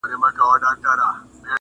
زولنې د زندانونو به ماتیږي!.